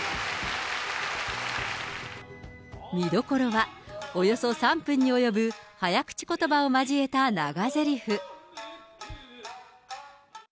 見どころは、およそ３分におよぶ早口ことばを交えた長ぜりふ。